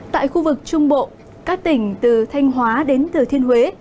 tại khu vực trung bộ các tỉnh từ thanh hóa đến thừa thiên huế